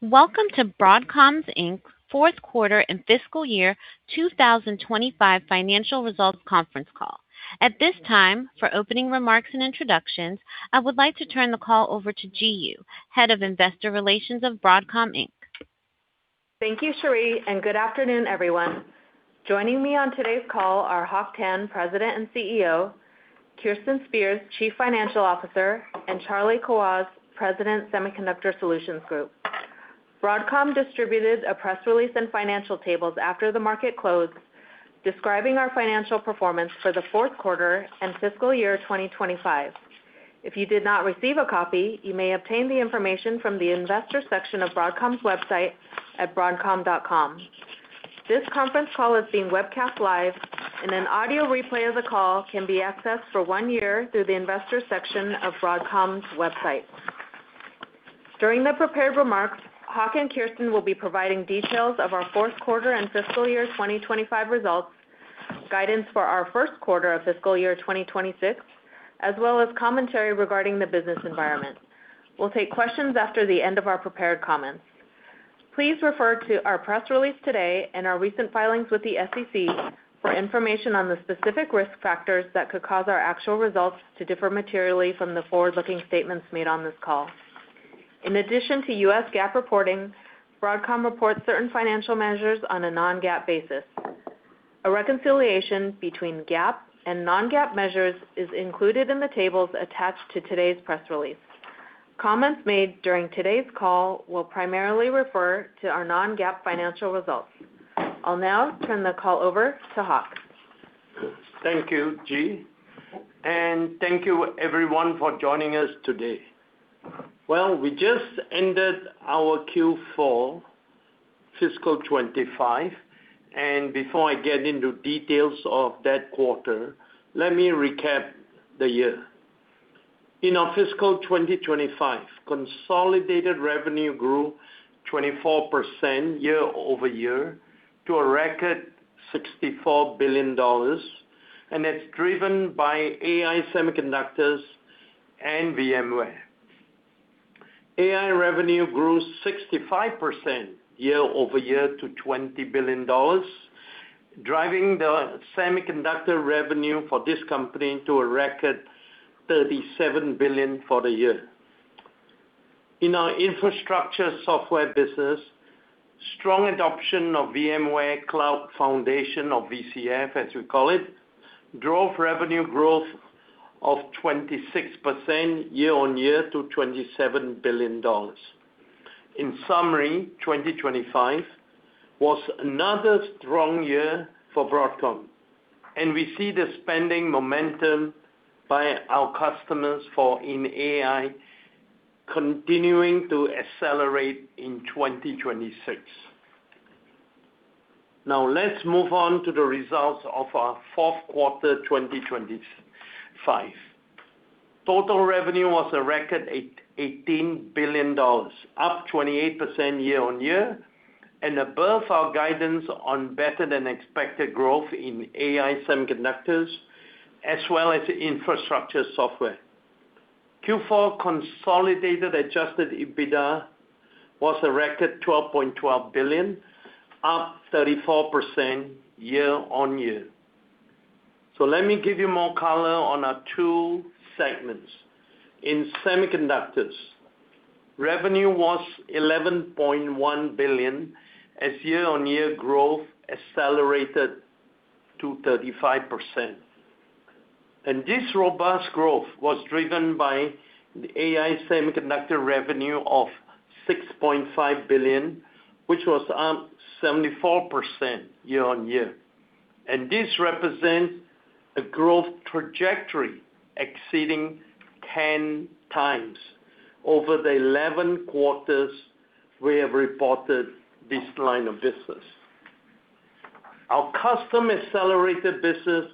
Welcome to Broadcom Inc's fourth quarter and fiscal year 2025 financial results conference call. At this time, for opening remarks and introductions, I would like to turn the call over to Ji Yoo, Head of Investor Relations of Broadcom Inc. Thank you, Cherie, and good afternoon, everyone. Joining me on today's call are Hock Tan, President and CEO, Kirsten Spears, Chief Financial Officer, and Charlie Kawwas, President, Semiconductor Solutions Group. Broadcom distributed a press release and financial tables after the market closed, describing our financial performance for the fourth quarter and fiscal year 2025. If you did not receive a copy, you may obtain the information from the investor section of Broadcom's website at broadcom.com. This conference call is being webcast live, and an audio replay of the call can be accessed for one year through the investor section of Broadcom's website. During the prepared remarks, Hock and Kirsten will be providing details of our fourth quarter and fiscal year 2025 results, guidance for our first quarter of fiscal year 2026, as well as commentary regarding the business environment. We'll take questions after the end of our prepared comments. Please refer to our press release today and our recent filings with the SEC for information on the specific risk factors that could cause our actual results to differ materially from the forward-looking statements made on this call. In addition to U.S. GAAP reporting, Broadcom reports certain financial measures on a non-GAAP basis. A reconciliation between GAAP and non-GAAP measures is included in the tables attached to today's press release. Comments made during today's call will primarily refer to our non-GAAP financial results. I'll now turn the call over to Hock. Thank you, Ji. And thank you, everyone, for joining us today. We just ended our Q4, fiscal 2025, and before I get into details of that quarter, let me recap the year. In our fiscal 2025, consolidated revenue grew 24% year-over-year to a record $64 billion, and it's driven by AI semiconductors and VMware. AI revenue grew 65% year-over-year to $20 billion, driving the Semiconductor revenue for this company to a record $37 billion for the year. In our Infrastructure Software business, strong adoption of VMware Cloud Foundation, or VCF, as we call it, drove revenue growth of 26% year-on-year to $27 billion. In summary, 2025 was another strong year for Broadcom, and we see the spending momentum by our customers for AI continuing to accelerate in 2026. Now, let's move on to the results of our fourth quarter 2025. Total revenue was a record $18 billion, up 28% year-on-year, and above our guidance on better-than-expected growth in AI Semiconductors, as well as Infrastructure Software. Q4 consolidated adjusted EBITDA was a record $12.12 billion, up 34% year-on-year. So let me give you more color on our two segments. In semiconductors, revenue was $11.1 billion, as year-on-year growth accelerated to 35%. And this robust growth was driven by the AI Semiconductor revenue of $6.5 billion, which was up 74% year-on-year. And this represents a growth trajectory exceeding 10x over the 11 quarters we have reported this line of business. Our custom-accelerated business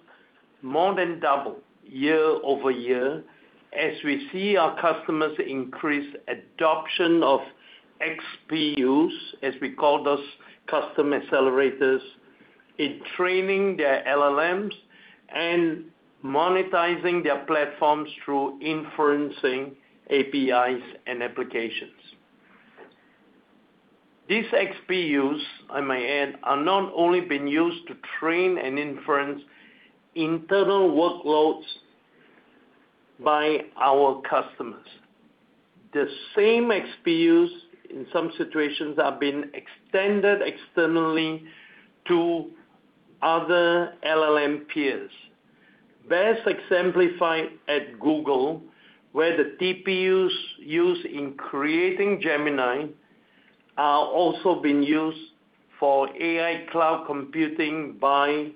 more than doubled year-over-year, as we see our customers increase adoption of XPUs, as we call those custom accelerators, in training their LLMs and monetizing their platforms through inferencing APIs and applications. These XPUs, I might add, are not only being used to train and inference internal workloads by our customers. The same XPUs, in some situations, have been extended externally to other LLM peers. Best exemplified at Google, where the TPUs used in creating Gemini are also being used for AI cloud computing by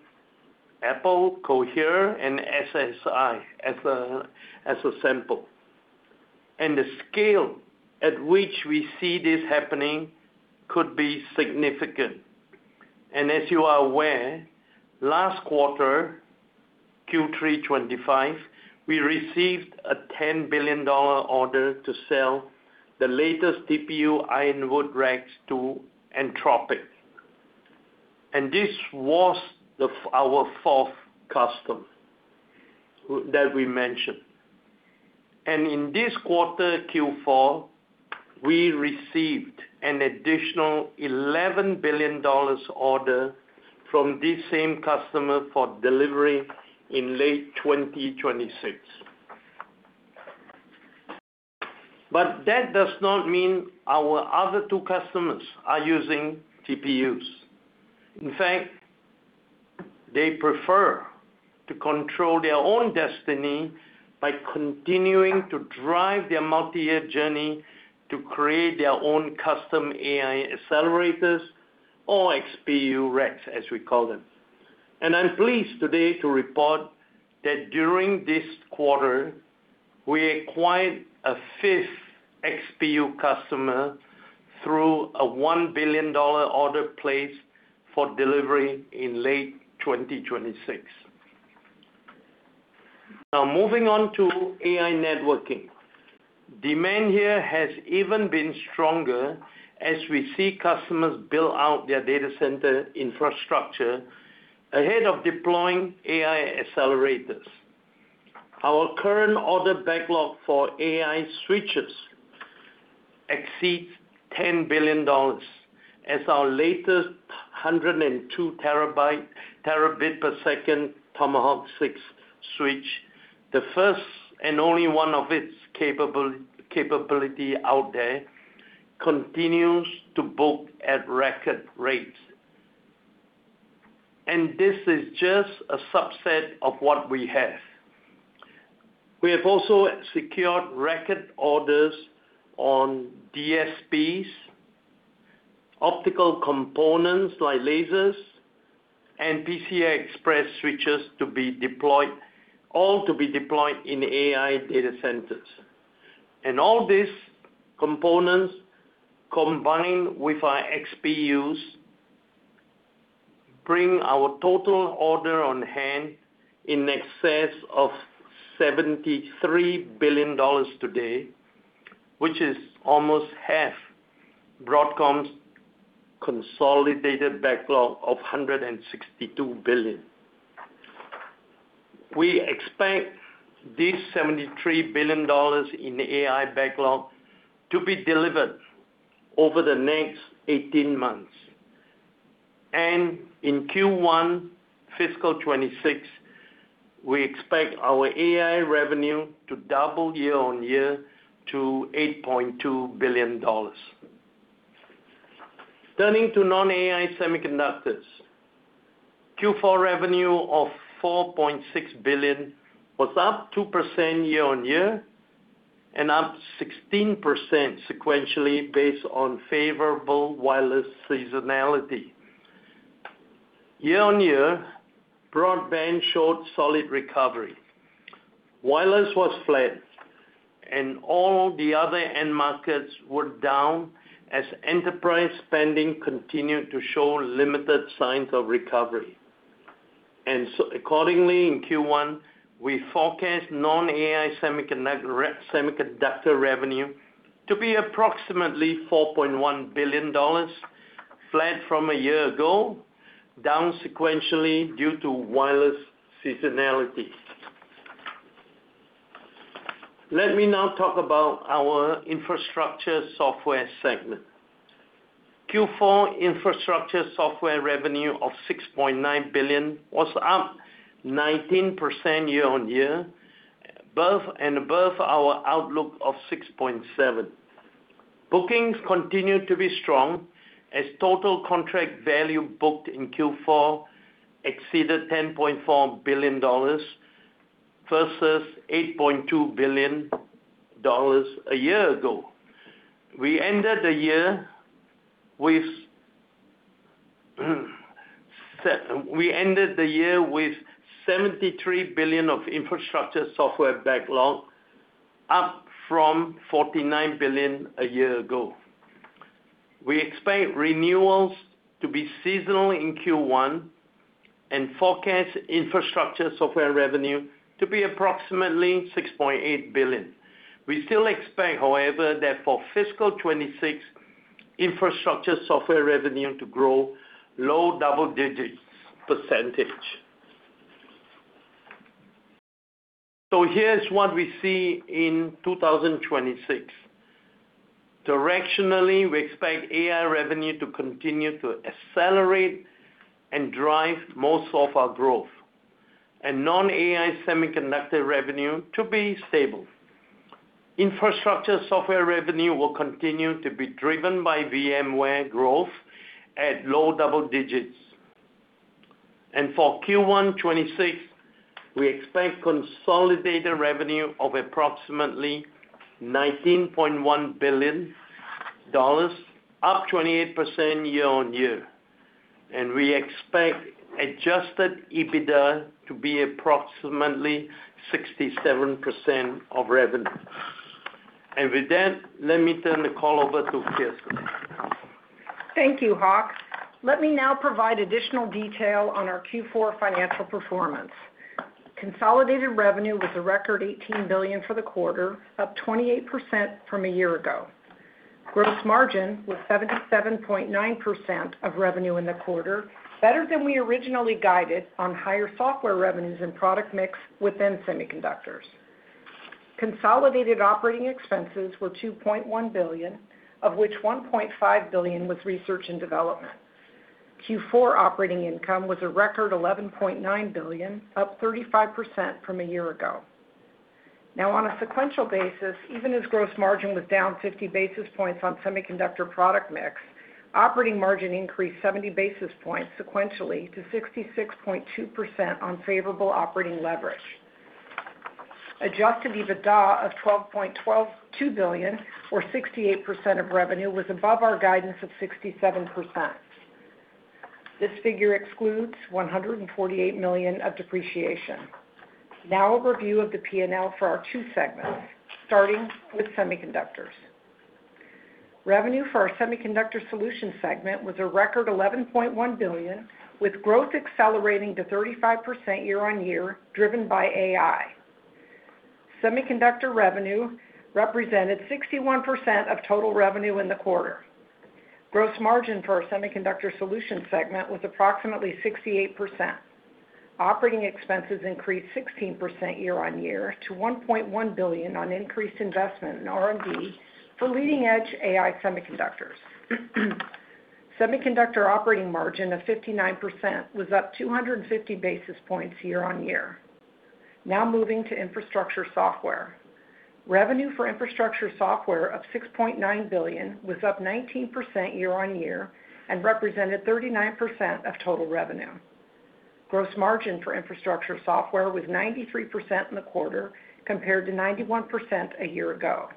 Apple, Cohere, and SSI as a sample, and the scale at which we see this happening could be significant, and as you are aware, last quarter, Q3 2025, we received a $10 billion order to sell the latest TPU, Ironwood [REX], to Anthropic, and in this quarter, Q4, we received an additional $11 billion order from this same customer for delivery in late 2026, but that does not mean our other two customers are using TPUs. In fact, they prefer to control their own destiny by continuing to drive their multi-year journey to create their own custom AI accelerators, or XPU [REX], as we call them. I'm pleased today to report that during this quarter, we acquired a fifth XPU customer through a $1 billion order placed for delivery in late 2026. Now, moving on to AI networking. Demand here has even been stronger as we see customers build out their data center infrastructure ahead of deploying AI accelerators. Our current order backlog for AI switches exceeds $10 billion, as our latest 102 Tb per second Tomahawk 6 switch, the first and only one of its capability out there, continues to book at record rates. This is just a subset of what we have. We have also secured record orders on DSPs, optical components like lasers, and PCI Express switches to be deployed in AI data centers, and all these components, combined with our XPUs, bring our total order on hand in excess of $73 billion today, which is almost half Broadcom's consolidated backlog of $162 billion. We expect these $73 billion in AI backlog to be delivered over the next 18 months, and in Q1, fiscal 2026, we expect our AI revenue to double year-on-year to $8.2 billion. Turning to non-AI semiconductors, Q4 revenue of $4.6 billion was up 2% year-on-year and up 16% sequentially based on favorable wireless seasonality. Year-on-year, broadband showed solid recovery. Wireless was flat, and all the other end markets were down as enterprise spending continued to show limited signs of recovery. Accordingly, in Q1, we forecast non-AI Semiconductor revenue to be approximately $4.1 billion, flat from a year ago, down sequentially due to wireless seasonality. Let me now talk about our Infrastructure Software segment. Q4 Infrastructure Software revenue of $6.9 billion was up 19% year-on-year, and above our outlook of $6.7 billion. Bookings continued to be strong as total contract value booked in Q4 exceeded $10.4 billion versus $8.2 billion a year ago. We ended the year with $73 billion of Infrastructure Software backlog, up from $49 billion a year ago. We expect renewals to be seasonal in Q1 and forecast Infrastructure Software revenue to be approximately $6.8 billion. We still expect, however, that for fiscal 2026, Infrastructure Software revenue to grow low double-digit percentage. Here's what we see in 2026. Directionally, we expect AI revenue to continue to accelerate and drive most of our growth, and non-AI Semiconductor revenue to be stable. Infrastructure Software revenue will continue to be driven by VMware growth at low double digits. And for Q1 2026, we expect consolidated revenue of approximately $19.1 billion, up 28% year-on-year. And we expect adjusted EBITDA to be approximately 67% of revenue. And with that, let me turn the call over to Kirsten. Thank you, Hock. Let me now provide additional detail on our Q4 financial performance. Consolidated revenue was a record $18 billion for the quarter, up 28% from a year ago. Gross margin was 77.9% of revenue in the quarter, better than we originally guided on higher software revenues and product mix within semiconductors. Consolidated operating expenses were $2.1 billion, of which $1.5 billion was research and development. Q4 operating income was a record $11.9 billion, up 35% from a year ago. Now, on a sequential basis, even as gross margin was down 50 basis points on Semiconductor product mix, operating margin increased 70 basis points sequentially to 66.2% on favorable operating leverage. Adjusted EBITDA of $12.2 million, or 68% of revenue, was above our guidance of 67%. This figure excludes $148 million of depreciation. Now, a review of the P&L for our two segments, starting with Semiconductors. Revenue for our Semiconductor Solutions segment was a record $11.1 billion, with growth accelerating to 35% year-on-year, driven by AI. Semiconductor revenue represented 61% of total revenue in the quarter. Gross margin for our Semiconductor Solutions segment was approximately 68%. Operating expenses increased 16% year-on-year to $1.1 billion on increased investment in R&D for leading-edge AI semiconductors. Semiconductor operating margin of 59% was up 250 basis points year-on-year. Now, moving to Infrastructure Software. Revenue for Infrastructure Software of $6.9 billion was up 19% year-on-year and represented 39% of total revenue. Gross margin for Infrastructure Software was 93% in the quarter, compared to 91% a year ago.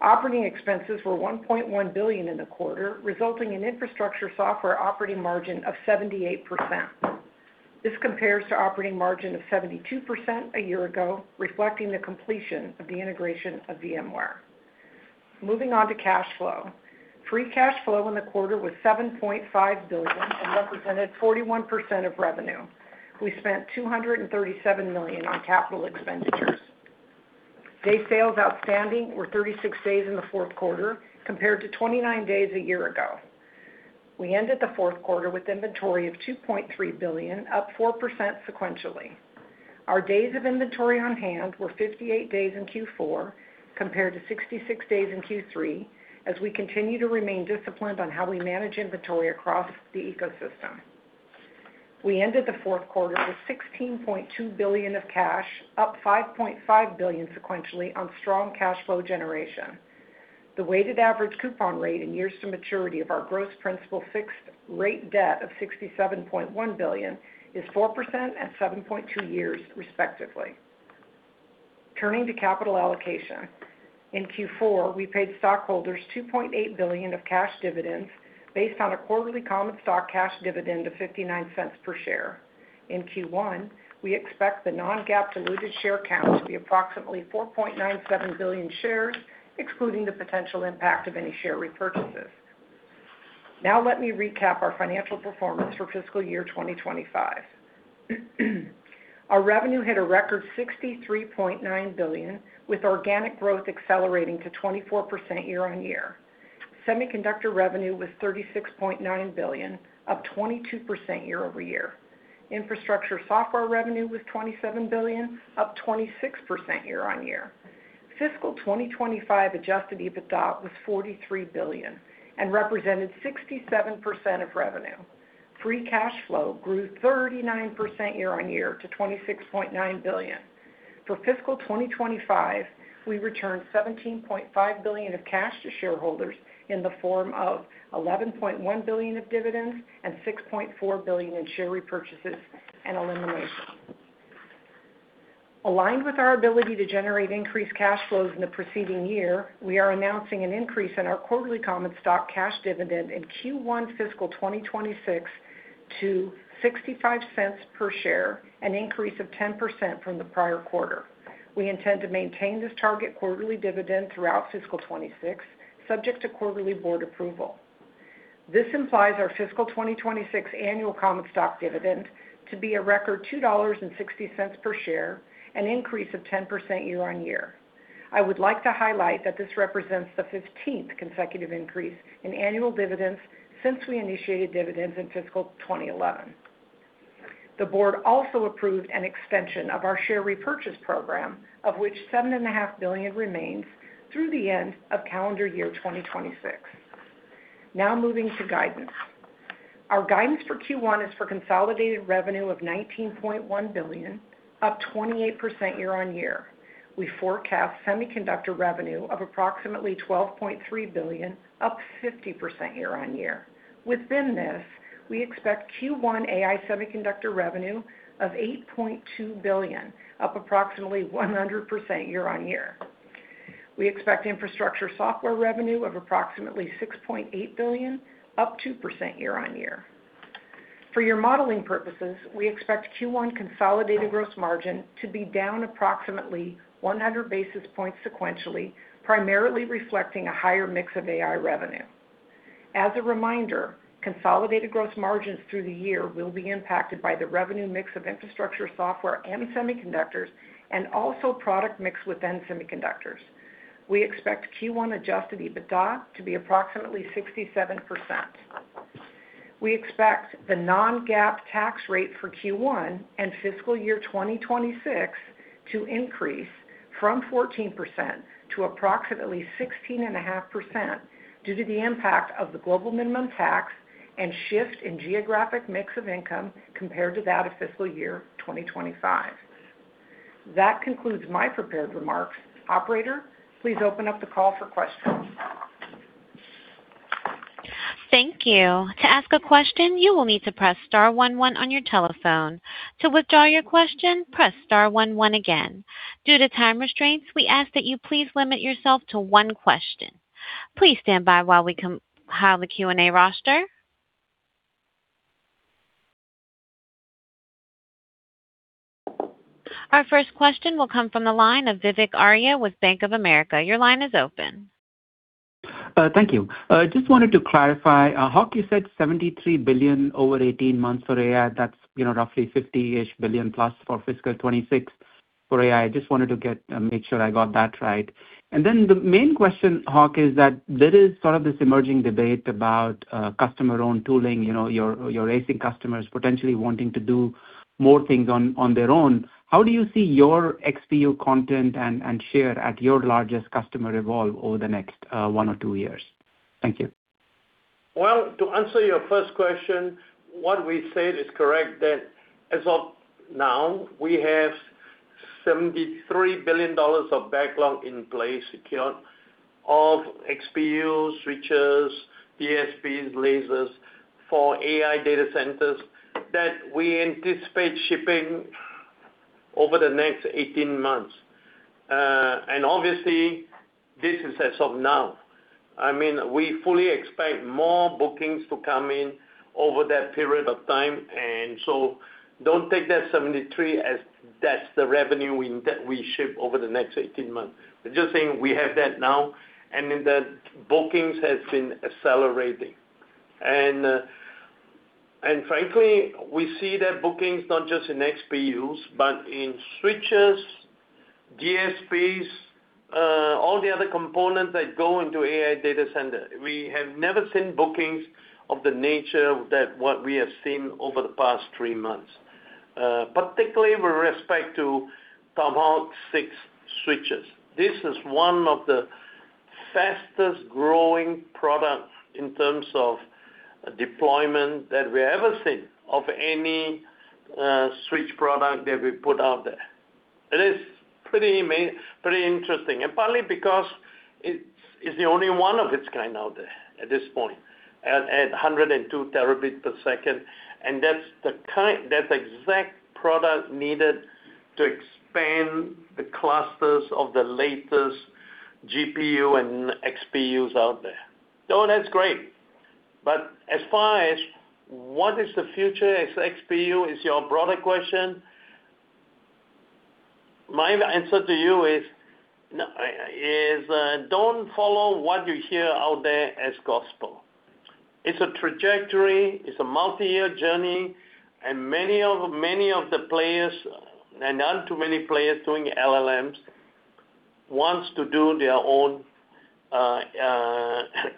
Operating expenses were $1.1 billion in the quarter, resulting in Infrastructure Software operating margin of 78%. This compares to operating margin of 72% a year ago, reflecting the completion of the integration of VMware. Moving on to cash flow. Free cash flow in the quarter was $7.5 billion and represented 41% of revenue. We spent $237 million on capital expenditures. Day sales outstanding were 36 days in the fourth quarter, compared to 29 days a year ago. We ended the fourth quarter with inventory of $2.3 billion, up 4% sequentially. Our days of inventory on hand were 58 days in Q4, compared to 66 days in Q3, as we continue to remain disciplined on how we manage inventory across the ecosystem. We ended the fourth quarter with $16.2 billion of cash, up $5.5 billion sequentially on strong cash flow generation. The weighted average coupon rate in years to maturity of our gross principal fixed rate debt of $67.1 billion is 4% at 7.2 years, respectively. Turning to capital allocation. In Q4, we paid stockholders $2.8 billion of cash dividends based on a quarterly common stock cash dividend of $0.59 per share. In Q1, we expect the non-GAAP diluted share count to be approximately 4.97 billion shares, excluding the potential impact of any share repurchases. Now, let me recap our financial performance for fiscal year 2025. Our revenue hit a record $63.9 billion, with organic growth accelerating to 24% year-on-year. Semiconductor revenue was $36.9 billion, up 22% year-over-year. Infrastructure Software revenue was $27 billion, up 26% year-on-year. Fiscal 2025 adjusted EBITDA was $43 billion and represented 67% of revenue. Free cash flow grew 39% year-on-year to $26.9 billion. For fiscal 2025, we returned $17.5 billion of cash to shareholders in the form of $11.1 billion of dividends and $6.4 billion in share repurchases and elimination. Aligned with our ability to generate increased cash flows in the preceding year, we are announcing an increase in our quarterly common stock cash dividend in Q1 fiscal 2026 to $0.65 per share, an increase of 10% from the prior quarter. We intend to maintain this target quarterly dividend throughout fiscal 2026, subject to quarterly board approval. This implies our fiscal 2026 annual common stock dividend to be a record $2.60 per share, an increase of 10% year-on-year. I would like to highlight that this represents the 15th consecutive increase in annual dividends since we initiated dividends in fiscal 2011. The board also approved an extension of our share repurchase program, of which $7.5 billion remains through the end of calendar year 2026. Now, moving to guidance. Our guidance for Q1 is for consolidated revenue of $19.1 billion, up 28% year-on-year. We forecast Semiconductor revenue of approximately $12.3 billion, up 50% year-on-year. Within this, we expect Q1 AI Semiconductor revenue of $8.2 billion, up approximately 100% year-on-year. We expect Infrastructure Software revenue of approximately $6.8 billion, up 2% year-on-year. For your modeling purposes, we expect Q1 consolidated gross margin to be down approximately 100 basis points sequentially, primarily reflecting a higher mix of AI revenue. As a reminder, consolidated gross margins through the year will be impacted by the revenue mix of Infrastructure Software and Semiconductors, and also product mix within Semiconductors. We expect Q1 adjusted EBITDA to be approximately 67%. We expect the non-GAAP tax rate for Q1 and fiscal year 2026 to increase from 14% to approximately 16.5% due to the impact of the global minimum tax and shift in geographic mix of income compared to that of fiscal year 2025. That concludes my prepared remarks. Operator, please open up the call for questions. Thank you. To ask a question, you will need to press star one one on your telephone. To withdraw your question, press star one one again. Due to time restraints, we ask that you please limit yourself to one question. Please stand by while we compile the Q&A roster. Our first question will come from the line of Vivek Arya with Bank of America. Your line is open. Thank you. Just wanted to clarify. Hock, you said $73 billion over 18 months for AI. That's roughly $50+ billion for fiscal 2026 for AI. I just wanted to make sure I got that right. And then the main question, Hock, is that there is sort of this emerging debate about customer-owned tooling, your hyperscale customers potentially wanting to do more things on their own. How do you see your XPU content and share at your largest customer evolve over the next one or two years? Thank you. To answer your first question, what we said is correct that as of now, we have $73 billion of backlog in place of XPUs, switches, DSPs, lasers for AI data centers that we anticipate shipping over the next 18 months. Obviously, this is as of now. I mean, we fully expect more bookings to come in over that period of time. So don't take that $73 billion as that's the revenue we ship over the next 18 months. We're just saying we have that now, and the bookings have been accelerating. Frankly, we see that bookings not just in XPUs, but in switches, DSPs, all the other components that go into AI data centers. We have never seen bookings of the nature that what we have seen over the past three months, particularly with respect to Tomahawk 6 switches. This is one of the fastest-growing products in terms of deployment that we have ever seen of any switch product that we put out there. It is pretty interesting, and partly because it's the only one of its kind out there at this point at 102 Tb per second, and that's the exact product needed to expand the clusters of the latest GPU and XPUs out there. Oh, that's great, but as far as what is the future, is XPU your broader question? My answer to you is don't follow what you hear out there as gospel. It's a trajectory. It's a multi-year journey, and many of the players, and not too many players doing LLMs, want to do their own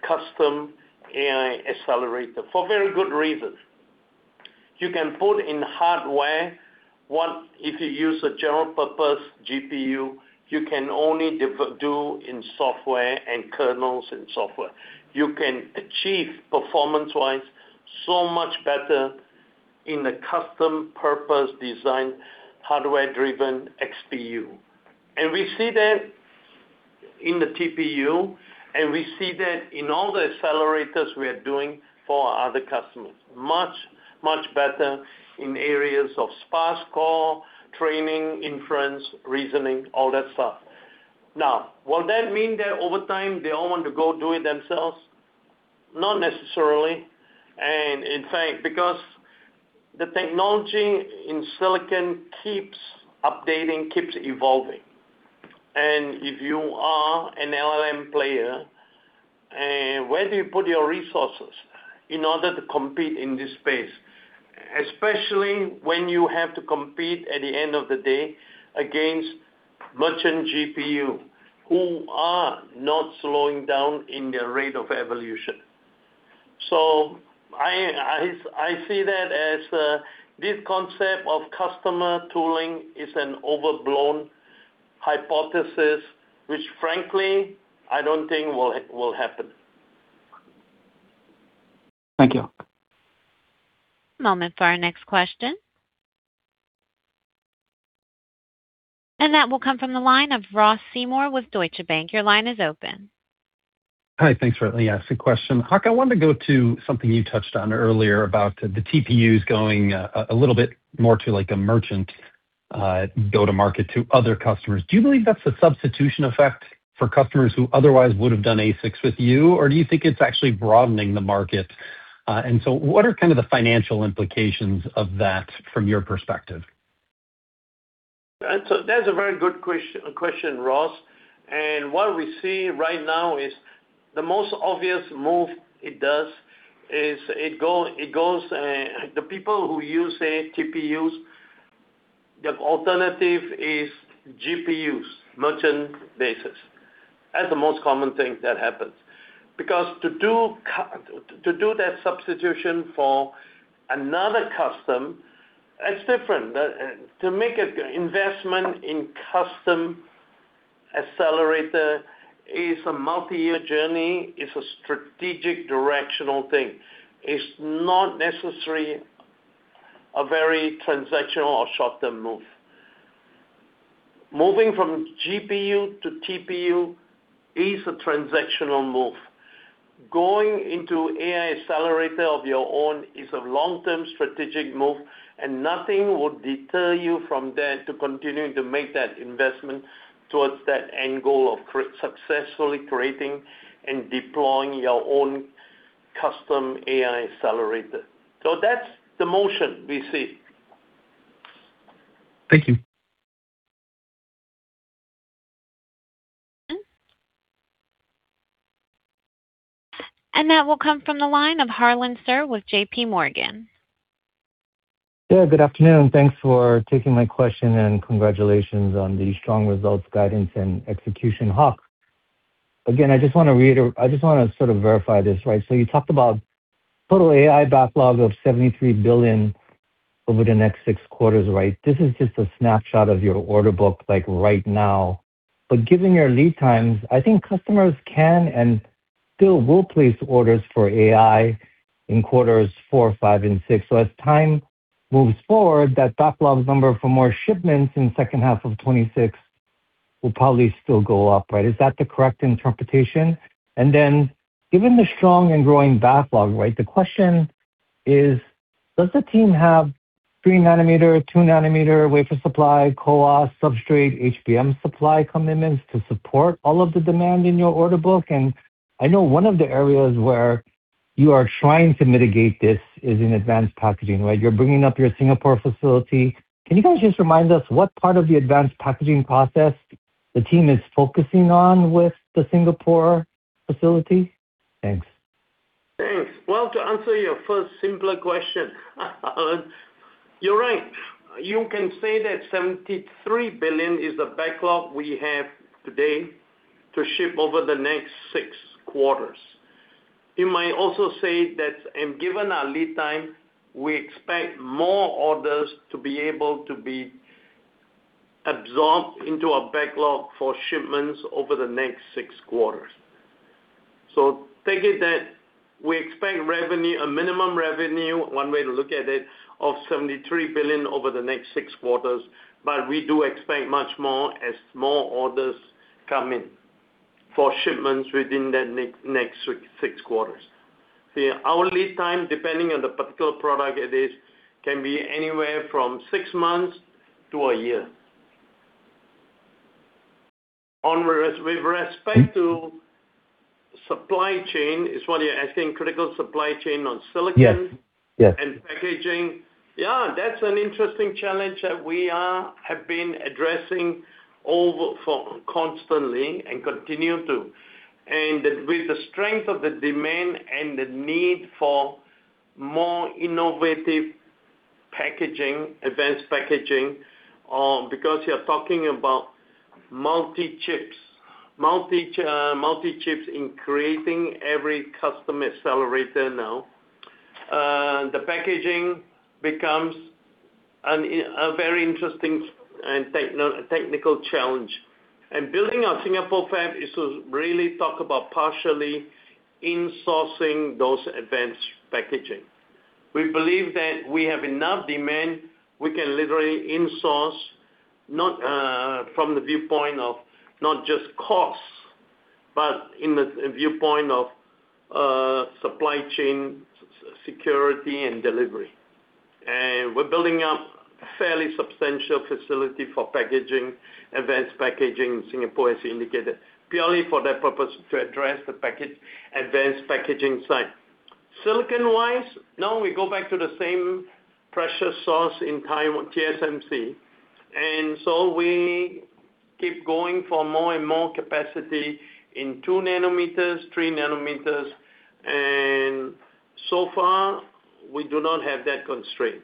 custom AI accelerator for very good reasons. You can put in hardware what, if you use a general-purpose GPU, you can only do in software and kernels and software. You can achieve performance-wise so much better in the custom-purpose designed hardware-driven XPU. And we see that in the TPU, and we see that in all the accelerators we are doing for our other customers. Much, much better in areas of Sparse Core, training, inference, reasoning, all that stuff. Now, will that mean that over time they all want to go do it themselves? Not necessarily. And in fact, because the technology in silicon keeps updating, keeps evolving. And if you are an LLM player, where do you put your resources in order to compete in this space, especially when you have to compete at the end of the day against merchant GPUs who are not slowing down in their rate of evolution? So I see that as this concept of customer tooling is an overblown hypothesis, which frankly, I don't think will happen. Thank you. Moment for our next question, and that will come from the line of Ross Seymore with Deutsche Bank. Your line is open. Hi. Thanks for asking the question. Hock, I wanted to go to something you touched on earlier about the TPUs going a little bit more to a merchant go-to-market to other customers. Do you believe that's a substitution effect for customers who otherwise would have done ASICs with you, or do you think it's actually broadening the market? And so what are kind of the financial implications of that from your perspective? That's a very good question, Ross. What we see right now is the most obvious move it does is it goes to the people who use TPUs. The alternative is GPUs on a merchant basis. That's the most common thing that happens. Because to do that substitution for another custom, it's different. To make an investment in custom accelerator is a multi-year journey. It's a strategic directional thing. It's not necessarily a very transactional or short-term move. Moving from GPU to TPU is a transactional move. Going into AI accelerator of your own is a long-term strategic move, and nothing will deter you from that to continue to make that investment towards that end goal of successfully creating and deploying your own custom AI accelerator. That's the motion we see. Thank you. And that will come from the line of Harlan Sur with JPMorgan. Yeah. Good afternoon. Thanks for taking my question and congratulations on the strong results, guidance, and execution, Hock. Again, I just want to reiterate I just want to sort of verify this, right? So you talked about total AI backlog of $73 billion over the next six quarters, right? This is just a snapshot of your order book right now. But given your lead times, I think customers can and still will place orders for AI in quarters four, five, and six. So as time moves forward, that backlog number for more shipments in the second half of 2026 will probably still go up, right? Is that the correct interpretation? And then given the strong and growing backlog, right, the question is, does the team have 3 nm, 2 nm wafer supply, CoWoS, substrate, HBM supply commitments to support all of the demand in your order book? And I know one of the areas where you are trying to mitigate this is in advanced packaging, right? You're bringing up your Singapore facility. Can you guys just remind us what part of the advanced packaging process the team is focusing on with the Singapore facility? Thanks. Thanks. Well, to answer your first simpler question, you're right. You can say that $73 billion is the backlog we have today to ship over the next six quarters. You might also say that, and given our lead time, we expect more orders to be able to be absorbed into our backlog for shipments over the next six quarters. So take it that we expect revenue, a minimum revenue, one way to look at it, of $73 billion over the next six quarters, but we do expect much more as more orders come in for shipments within that next six quarters. Our lead time, depending on the particular product it is, can be anywhere from six months to a year. With respect to supply chain, is what you're asking, critical supply chain on silicon and packaging? Yes. Yeah. That's an interesting challenge that we have been addressing constantly and continue to, and with the strength of the demand and the need for more innovative packaging, advanced packaging, because you're talking about multi-chips, multi-chips in creating every custom accelerator now, the packaging becomes a very interesting and technical challenge. Building our Singapore fab is to really talk about partially insourcing those advanced packaging. We believe that we have enough demand. We can literally insource not from the viewpoint of not just cost, but in the viewpoint of supply chain security and delivery. We're building up a fairly substantial facility for packaging, advanced packaging in Singapore, as you indicated, purely for that purpose to address the advanced packaging side. Silicon-wise, no, we go back to the same process source in TSMC, and so we keep going for more and more capacity in 2 nm, 3 nm. And so far, we do not have that constraint.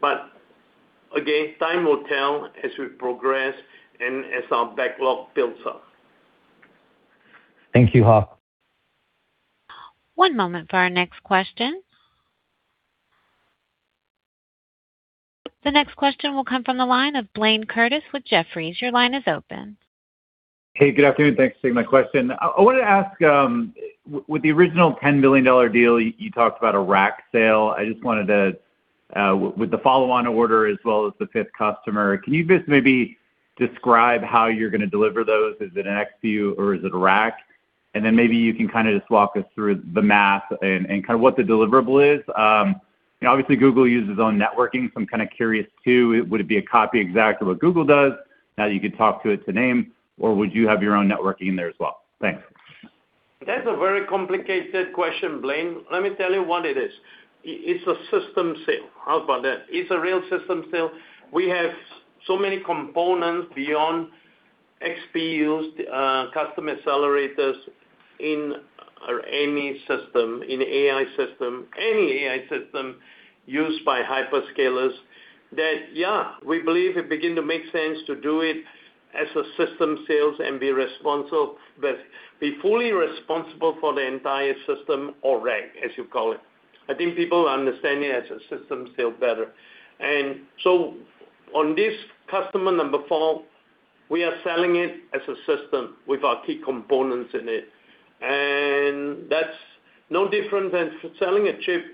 But again, time will tell as we progress and as our backlog builds up. Thank you, Hock. One moment for our next question. The next question will come from the line of Blayne Curtis with Jefferies. Your line is open. Hey, good afternoon. Thanks for taking my question. I wanted to ask, with the original $10 billion deal, you talked about a rack sale. I just wanted to, with the follow-on order as well as the fifth customer, can you just maybe describe how you're going to deliver those? Is it an XPU, or is it a rack? And then maybe you can kind of just walk us through the math and kind of what the deliverable is. Obviously, Google uses its own networking. So I'm kind of curious too, would it be a copy exact of what Google does now that you could talk to it to name? Or would you have your own networking in there as well? Thanks. That's a very complicated question, Blayne. Let me tell you what it is. It's a system sale. Hock, about that. It's a real system sale. We have so many components beyond XPUs, custom accelerators in any system, in AI system, any AI system used by hyperscalers that, yeah, we believe it began to make sense to do it as a system sales and be responsible, be fully responsible for the entire system or rack, as you call it. I think people understand it as a system sale better. And so on this customer number four, we are selling it as a system with our key components in it. And that's no different than selling a chip.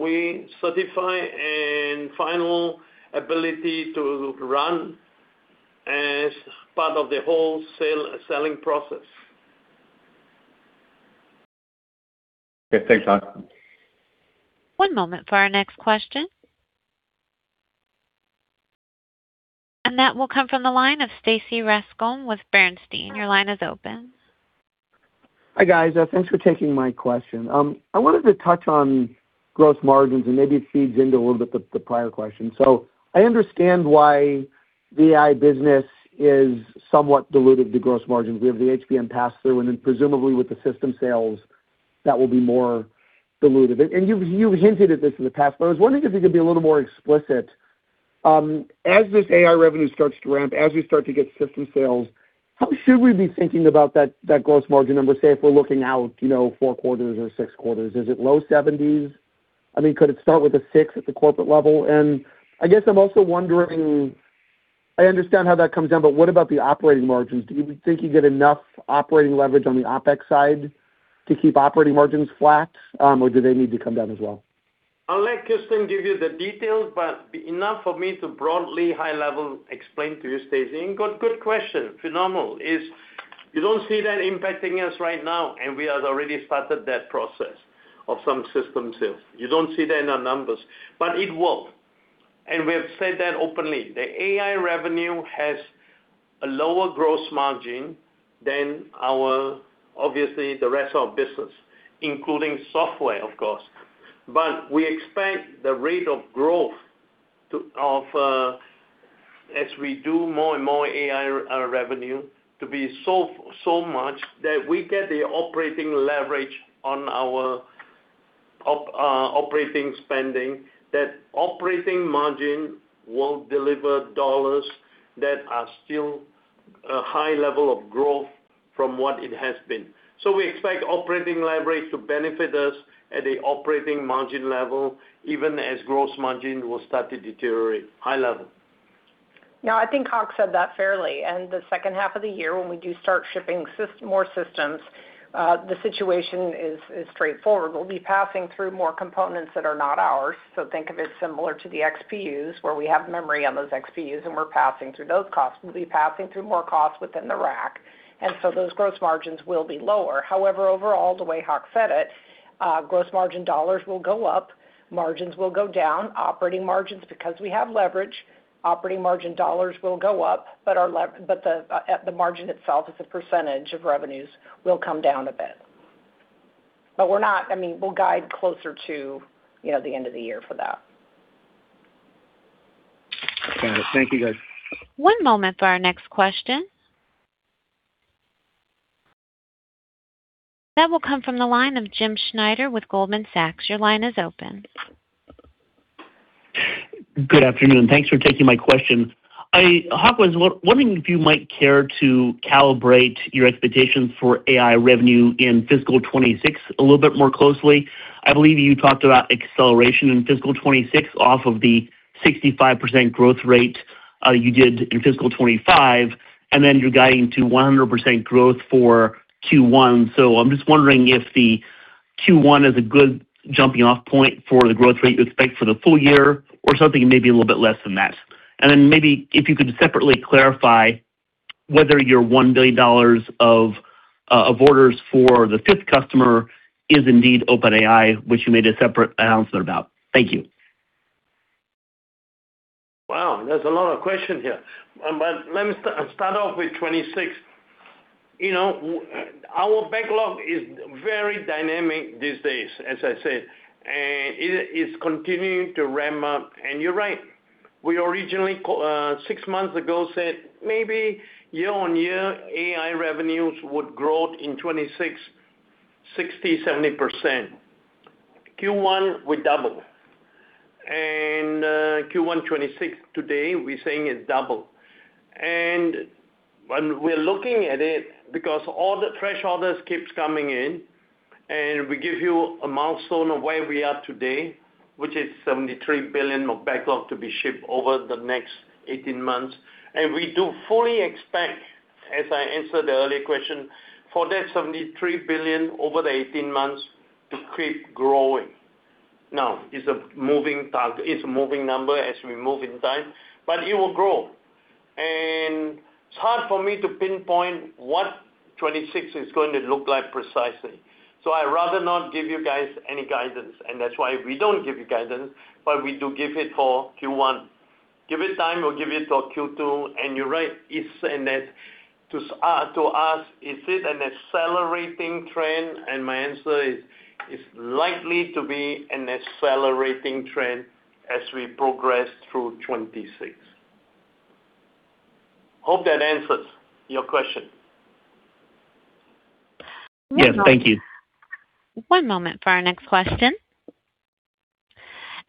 We certify and final ability to run as part of the whole selling process. Okay. Thanks, Hock. One moment for our next question, and that will come from the line of Stacy Rasgon with Bernstein. Your line is open. Hi, guys. Thanks for taking my question. I wanted to touch on gross margins, and maybe it feeds into a little bit the prior question. So I understand why the AI business is somewhat diluted to gross margins. We have the HBM pass-through, and then presumably with the system sales, that will be more diluted. And you've hinted at this in the past, but I was wondering if you could be a little more explicit. As this AI revenue starts to ramp, as we start to get system sales, how should we be thinking about that gross margin number, say if we're looking out four quarters or six quarters? Is it low 70s? I mean, could it start with a six at the corporate level? And I guess I'm also wondering, I understand how that comes down, but what about the operating margins? Do you think you get enough operating leverage on the OpEx side to keep operating margins flat, or do they need to come down as well? I'll let Kirsten give you the details, but enough for me to broadly high-level explain to you, Stacy, and good question, phenomenal. You don't see that impacting us right now, and we have already started that process of some system sales. You don't see that in our numbers, but it will, and we have said that openly. The AI revenue has a lower gross margin than our, obviously, the rest of our business, including software, of course, but we expect the rate of growth as we do more and more AI revenue to be so much that we get the operating leverage on our operating spending, that operating margin will deliver dollars that are still a high level of growth from what it has been. So we expect operating leverage to benefit us at the operating margin level, even as gross margin will start to deteriorate. High level. Yeah. I think Hock said that fairly, and the second half of the year, when we do start shipping more systems, the situation is straightforward. We'll be passing through more components that are not ours, so think of it similar to the XPUs where we have memory on those XPUs, and we're passing through those costs. We'll be passing through more costs within the rack, and so those gross margins will be lower. However, overall, the way Hock said it, gross margin dollars will go up, margins will go down. Operating margins, because we have leverage, operating margin dollars will go up, but the margin itself as a percentage of revenues will come down a bit, but we're not, I mean, we'll guide closer to the end of the year for that. Got it. Thank you, guys. One moment for our next question. That will come from the line of Jim Schneider with Goldman Sachs. Your line is open. Good afternoon. Thanks for taking my question. Hock was wondering if you might care to calibrate your expectations for AI revenue in fiscal 2026 a little bit more closely. I believe you talked about acceleration in fiscal 2026 off of the 65% growth rate you did in fiscal 2025, and then you're guiding to 100% growth for Q1. So I'm just wondering if the Q1 is a good jumping-off point for the growth rate you expect for the full year or something maybe a little bit less than that. And then maybe if you could separately clarify whether your $1 billion of orders for the fifth customer is indeed OpenAI, which you made a separate announcement about. Thank you. Wow. There's a lot of questions here. But let me start off with 2026. Our backlog is very dynamic these days, as I said. It's continuing to ramp up. And you're right. We originally, six months ago, said maybe year-on-year, AI revenues would grow in 2026 60%-70%. Q1, we doubled. And Q1 2026, today, we're saying it doubled. And we're looking at it because all the fresh orders keep coming in, and we give you a milestone of where we are today, which is $73 billion of backlog to be shipped over the next 18 months. And we do fully expect, as I answered the earlier question, for that $73 billion over the 18 months to keep growing. Now, it's a moving target. It's a moving number as we move in time, but it will grow. It's hard for me to pinpoint what 2026 is going to look like precisely. So I'd rather not give you guys any guidance. That's why we don't give you guidance, but we do give it for Q1. Give it time. We'll give it for Q2. You're right. It's in that to us, is it an accelerating trend? My answer is it's likely to be an accelerating trend as we progress through 2026. Hope that answers your question. Yes. Thank you. One moment for our next question,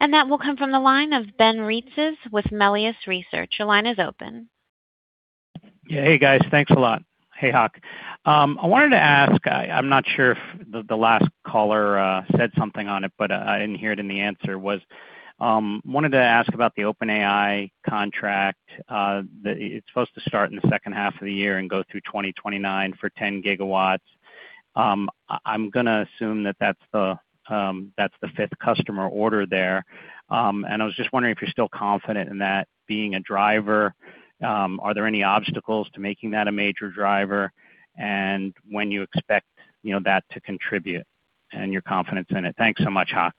and that will come from the line of Ben Reitzes with Melius Research. Your line is open. Yeah. Hey, guys. Thanks a lot. Hey, Hock. I wanted to ask. I'm not sure if the last caller said something on it, but I didn't hear it in the answer. What I wanted to ask about the OpenAI contract that it's supposed to start in the second half of the year and go through 2029 for 10 GW. I'm going to assume that that's the fifth customer order there. And I was just wondering if you're still confident in that being a driver. Are there any obstacles to making that a major driver? And when you expect that to contribute and your confidence in it? Thanks so much, Hock.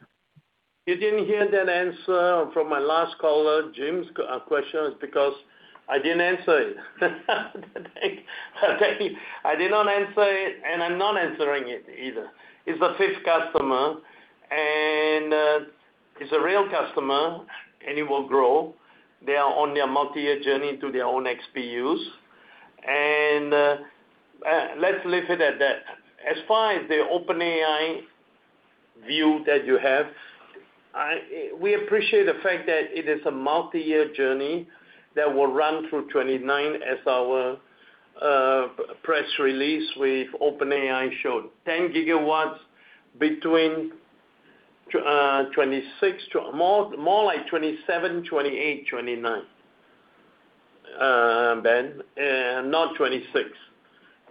You didn't hear that answer from my last caller, Jim's questions, because I didn't answer it. I did not answer it, and I'm not answering it either. It's the fifth customer, and it's a real customer, and it will grow. They are on their multi-year journey to their own XPUs. And let's leave it at that. As far as the OpenAI view that you have, we appreciate the fact that it is a multi-year journey that will run through 2029, as our press release with OpenAI showed. 10 GW between 2026, more like 2027, 2028, 2029, Ben, not 2026.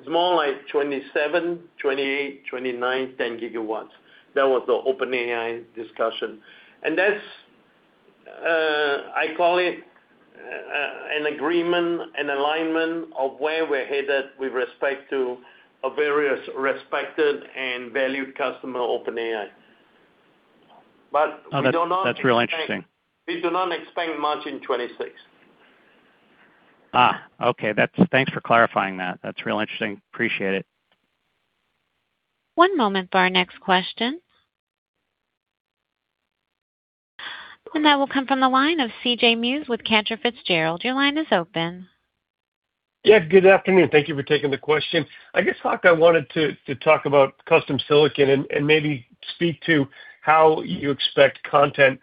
It's more like 2027, 2028, 2029, 10 GW. That was the OpenAI discussion. And I call it an agreement, an alignment of where we're headed with respect to a very respected and valued customer, OpenAI. But we do not. Okay. That's real interesting. We do not expect much in 2026. Okay. Thanks for clarifying that. That's real interesting. Appreciate it. One moment for our next question. That will come from the line of CJ Muse with Cantor Fitzgerald. Your line is open. Yeah. Good afternoon. Thank you for taking the question. I guess, Hock, I wanted to talk about custom silicon and maybe speak to how you expect compute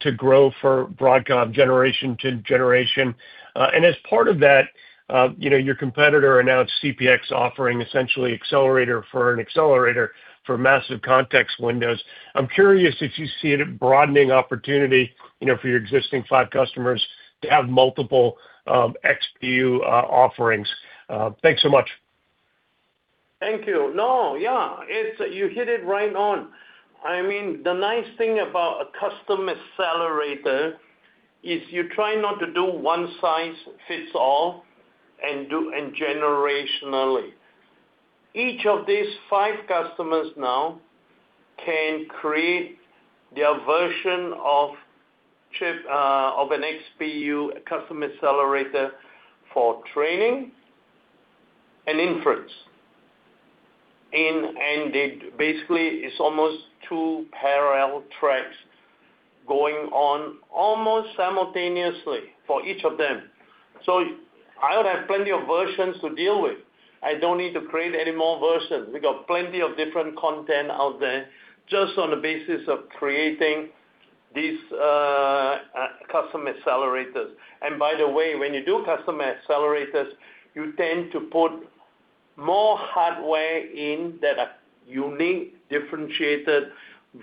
to grow for Broadcom generation to generation. And as part of that, your competitor announced XPU offering essentially accelerator for an accelerator for massive context windows. I'm curious if you see it broadening opportunity for your existing five customers to have multiple XPU offerings. Thanks so much. Thank you. No. Yeah. You hit it right on. I mean, the nice thing about a custom accelerator is you try not to do one size fits all and generationally. Each of these five customers now can create their version of an XPU custom accelerator for training and inference. And basically, it's almost two parallel tracks going on almost simultaneously for each of them. So I would have plenty of versions to deal with. I don't need to create any more versions. We got plenty of different content out there just on the basis of creating these custom accelerators. And by the way, when you do custom accelerators, you tend to put more hardware in that are unique, differentiated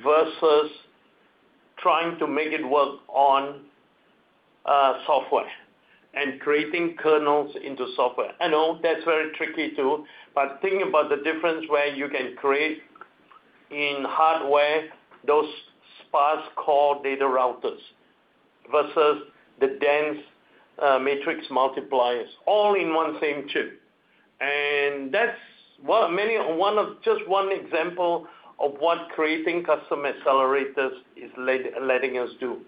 versus trying to make it work on software and creating kernels into software. I know that's very tricky too, but thinking about the difference where you can create in hardware those Sparse Core data routers versus the dense matrix multipliers, all in one same chip. And that's just one example of what creating custom accelerators is letting us do.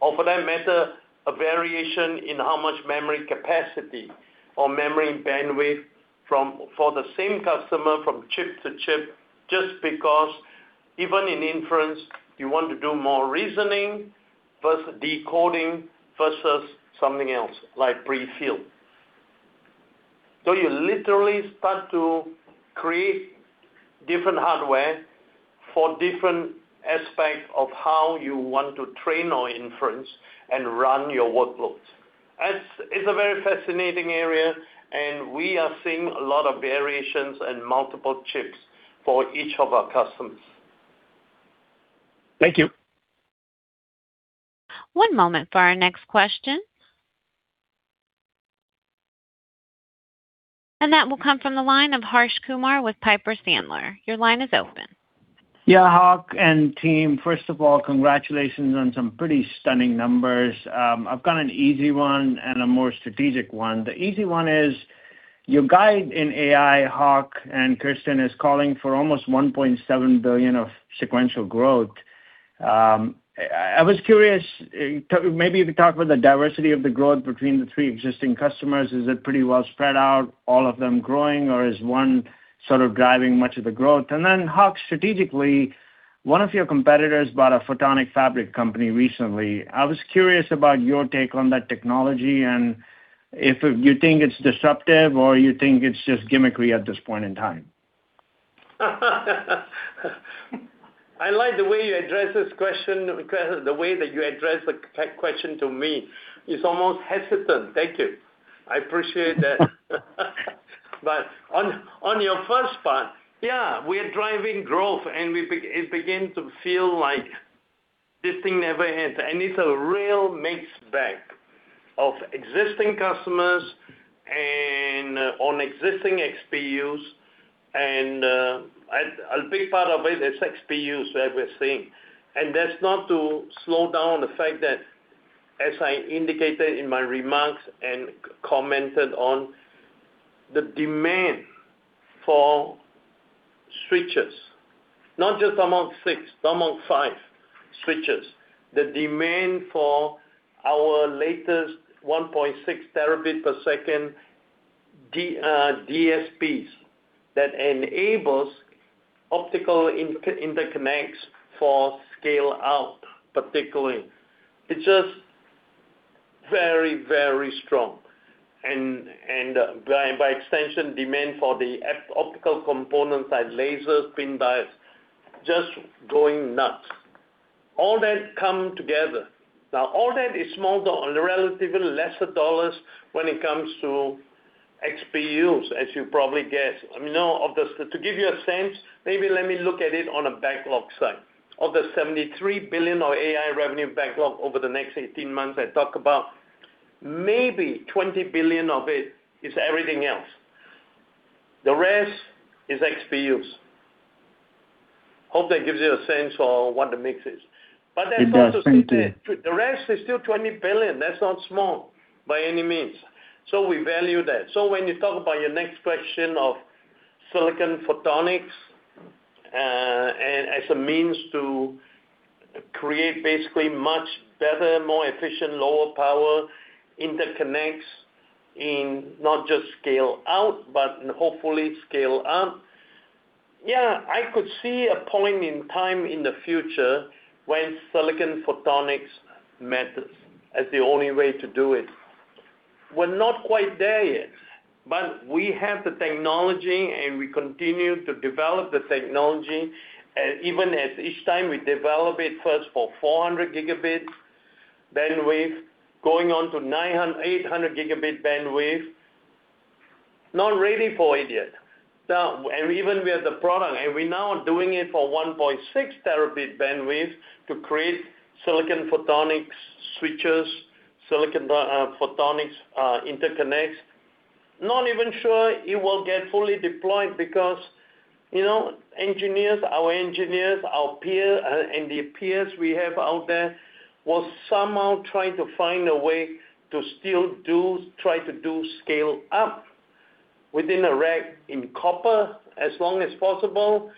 Or for that matter, a variation in how much memory capacity or memory bandwidth for the same customer from chip to chip, just because even in inference, you want to do more reasoning versus decoding versus something else like prefill. So you literally start to create different hardware for different aspects of how you want to train or inference and run your workloads. It's a very fascinating area, and we are seeing a lot of variations and multiple chips for each of our customers. Thank you. One moment for our next question, and that will come from the line of Harsh Kumar with Piper Sandler. Your line is open. Yeah. Hock and team, first of all, congratulations on some pretty stunning numbers. I've got an easy one and a more strategic one. The easy one is your guide in AI, Hock and Kirsten, is calling for almost $1.7 billion of sequential growth. I was curious, maybe you could talk about the diversity of the growth between the three existing customers. Is it pretty well spread out, all of them growing, or is one sort of driving much of the growth? And then, Hock, strategically, one of your competitors bought a photonic fabric company recently. I was curious about your take on that technology and if you think it's disruptive or you think it's just gimmickery at this point in time. I like the way you address this question, the way that you address the question to me. It's almost hesitant. Thank you. I appreciate that. But on your first part, yeah, we are driving growth, and it began to feel like this thing never ends. And it's a real mixed bag of existing customers and on existing XPUs. And a big part of it is XPUs that we're seeing. And that's not to slow down the fact that, as I indicated in my remarks and commented on, the demand for switches, not just Tomahawk 6, Tomahawk 5 switches, the demand for our latest 1.6 Tb per second DSPs that enables optical interconnects for scale-out, particularly. It's just very, very strong. And by extension, demand for the optical components like lasers, PIN diodes, just going nuts. All that come together. Now, all that is smaller on relatively lesser dollars when it comes to XPUs, as you probably guess. I mean, to give you a sense, maybe let me look at it on a backlog side. Of the $73 billion of AI revenue backlog over the next 18 months I talked about, maybe $20 billion of it is everything else. The rest is XPUs. Hope that gives you a sense of what the mix is. But that's not to say that the rest is still $20 billion. That's not small by any means. So we value that. So when you talk about your next question of silicon photonics as a means to create basically much better, more efficient, lower power interconnects in not just scale-out, but hopefully scale-up, yeah, I could see a point in time in the future when silicon photonics matters as the only way to do it. We're not quite there yet, but we have the technology, and we continue to develop the technology. Even at each time, we develop it first for 400 Gb bandwidth, going on to 800 Gb bandwidth. Not ready for it yet. And even we have the product, and we're now doing it for 1.6 Tb bandwidth to create silicon photonics switches, silicon photonics interconnects. Not even sure it will get fully deployed because our engineers, our peers, and the peers we have out there will somehow try to find a way to still try to do scale-up within a rack in copper as long as possible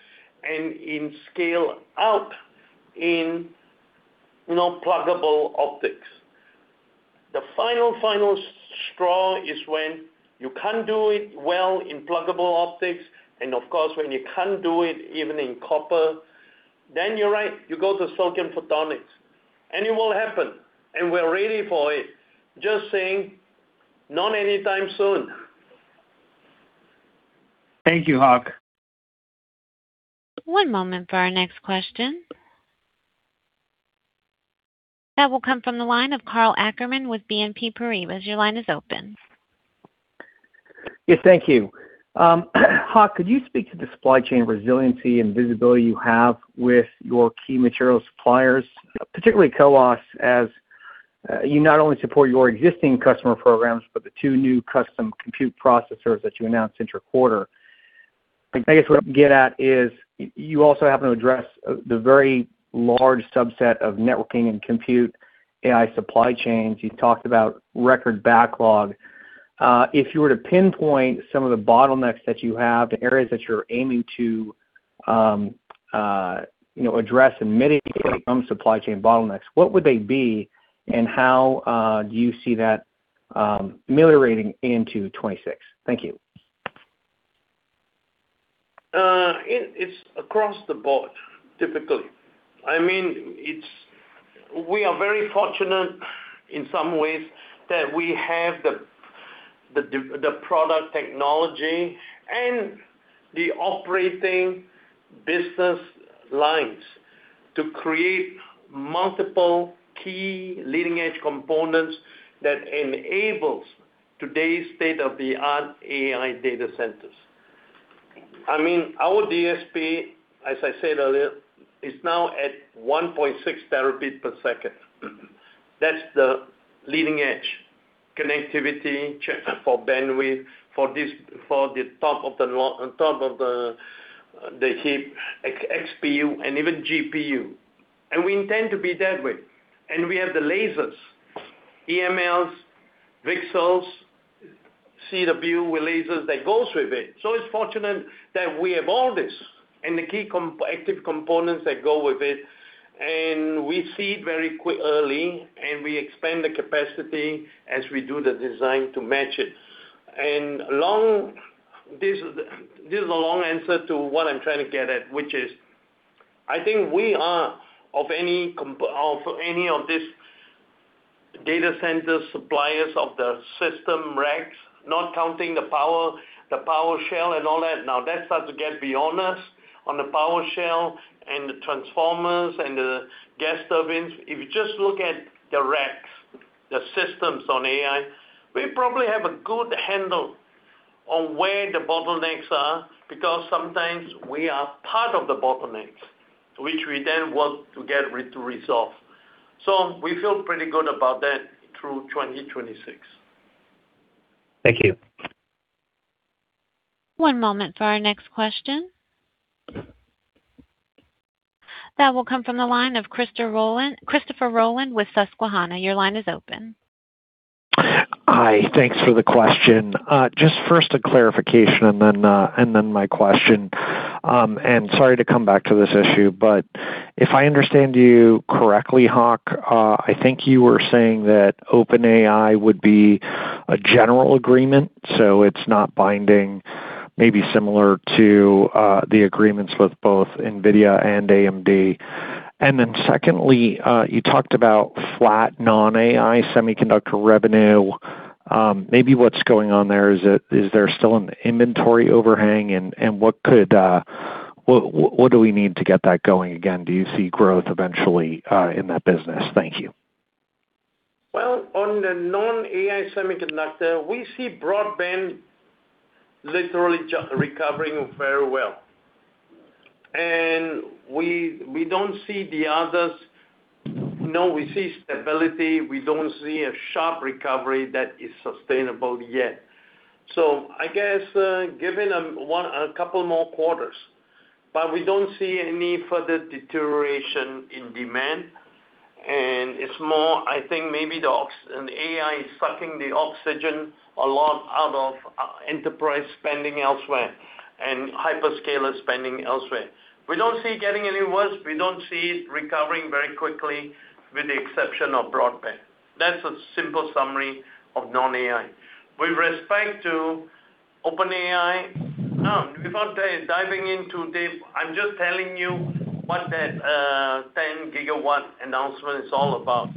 and in scale-up in pluggable optics. The final, final straw is when you can't do it well in pluggable optics. And of course, when you can't do it even in copper, then you're right. You go to silicon photonics, and it will happen. We're ready for it. Just saying not anytime soon. Thank you, Hock. One moment for our next question. That will come from the line of Karl Ackerman with BNP Paribas. Your line is open. Yes. Thank you. Hock, could you speak to the supply chain resiliency and visibility you have with your key materials suppliers, particularly CoWoS, as you not only support your existing customer programs but the two new custom compute processors that you announced this quarter? I guess what I'm getting at is you also happen to address the very large subset of networking and compute AI supply chains. You talked about record backlog. If you were to pinpoint some of the bottlenecks that you have and areas that you're aiming to address and mitigate from supply chain bottlenecks, what would they be, and how do you see that ameliorating into 2026? Thank you. It's across the board, typically. I mean, we are very fortunate in some ways that we have the product technology and the operating business lines to create multiple key leading-edge components that enables today's state-of-the-art AI data centers. I mean, our DSP, as I said earlier, is now at 1.6 Tb per second. That's the leading-edge connectivity for bandwidth for the top of the heap XPU and even GPU. And we intend to be that way. And we have the lasers, EMLs, [VCSELs], [CW lasers] that goes with it. So it's fortunate that we have all this and the key active components that go with it. And we see it very early, and we expand the capacity as we do the design to match it. This is a long answer to what I'm trying to get at, which is I think we are of any of these data center suppliers of the system racks, not counting the power shell and all that. Now, that starts to get beyond us on the power shell and the transformers and the gas turbines. If you just look at the racks, the systems on AI, we probably have a good handle on where the bottlenecks are because sometimes we are part of the bottlenecks, which we then work to get to resolve. We feel pretty good about that through 2026. Thank you. One moment for our next question. That will come from the line of Christopher Rolland with Susquehanna. Your line is open. Hi. Thanks for the question. Just first a clarification and then my question. And sorry to come back to this issue, but if I understand you correctly, Hock, I think you were saying that OpenAI would be a general agreement, so it's not binding, maybe similar to the agreements with both NVIDIA and AMD. And then secondly, you talked about flat non-AI Semiconductor revenue. Maybe what's going on there is there still an inventory overhang, and what do we need to get that going again? Do you see growth eventually in that business? Thank you. On the non-AI semiconductor, we see broadband literally recovering very well. We don't see the others. No, we see stability. We don't see a sharp recovery that is sustainable yet. I guess give it a couple more quarters. We don't see any further deterioration in demand. It's more, I think, maybe the AI is sucking the oxygen a lot out of enterprise spending elsewhere and hyperscaler spending elsewhere. We don't see it getting any worse. We don't see it recovering very quickly with the exception of broadband. That's a simple summary of non-AI. With respect to OpenAI, without diving into depth, I'm just telling you what that 10 GW announcement is all about.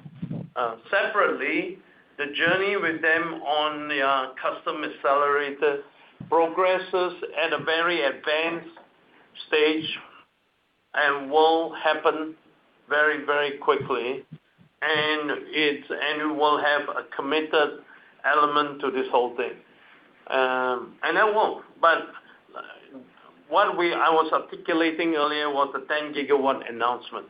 Separately, the journey with them on the custom accelerator progresses at a very advanced stage and will happen very, very quickly. We will have a committed element to this whole thing. And that will. But what I was articulating earlier was the 10 GW announcement.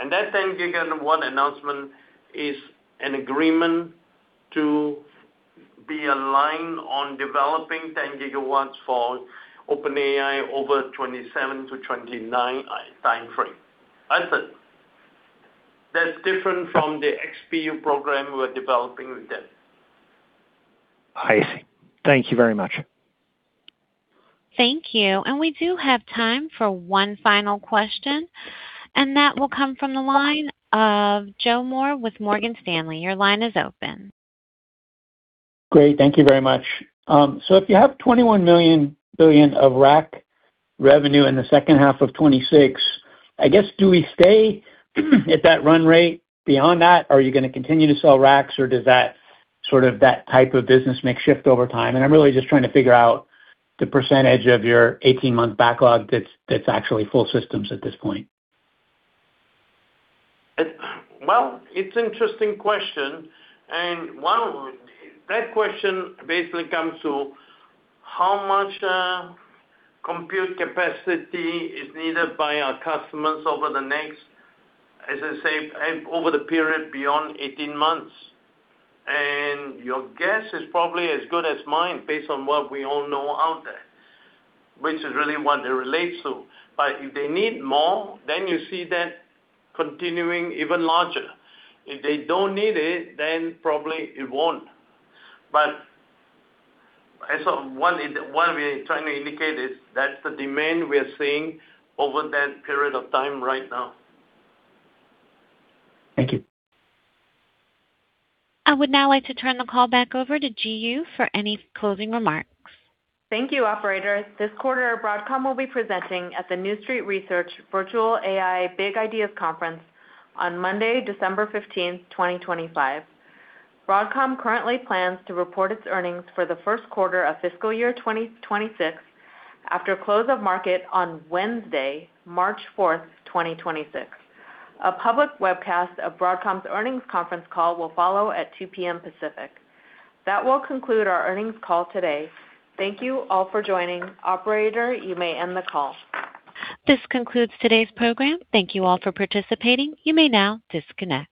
And that 10 GW announcement is an agreement to be aligned on developing 10 GW for OpenAI over 2027 to 2029 timeframe. That's it. That's different from the XPU program we're developing with them. I see. Thank you very much. Thank you. And we do have time for one final question. And that will come from the line of Joe Moore with Morgan Stanley. Your line is open. Great. Thank you very much. So if you have $21 million of rack revenue in the second half of 2026, I guess, do we stay at that run rate? Beyond that, are you going to continue to sell racks, or does that sort of that type of business make shift over time? And I'm really just trying to figure out the percentage of your 18-month backlog that's actually full systems at this point. Well, it's an interesting question. And that question basically comes to how much compute capacity is needed by our customers over the next, as I say, over the period beyond 18 months. And your guess is probably as good as mine based on what we all know out there, which is really what it relates to. But if they need more, then you see that continuing even larger. If they don't need it, then probably it won't. But what we're trying to indicate is that's the demand we're seeing over that period of time right now. Thank you. I would now like to turn the call back over to Ji Yoo for any closing remarks. Thank you, operator. This quarter, Broadcom will be presenting at the New Street Research Virtual AI Big Ideas Conference on Monday, December 15th, 2025. Broadcom currently plans to report its earnings for the first quarter of fiscal year 2026 after close of market on Wednesday, March 4th, 2026. A public webcast of Broadcom's earnings conference call will follow at 2:00 P.M. Pacific. That will conclude our earnings call today. Thank you all for joining. Operator, you may end the call. This concludes today's program. Thank you all for participating. You may now disconnect.